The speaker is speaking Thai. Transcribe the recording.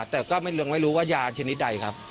แต่ก็ไม่รู้ว่ายาชนิดใดครับ